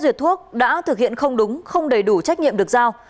rệt thuốc đã thực hiện không đúng không đầy đủ trách nhiệm được giao